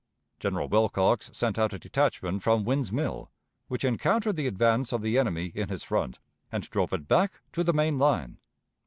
General Wilcox sent out a detachment from Wynne's Mill which encountered the advance of the enemy in his front and drove it back to the main line.